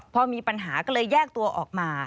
พอมีปัญหาก็เลยแยกตัวออกมา